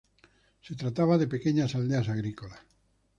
Se trataba de pequeñas aldeas agrícolas.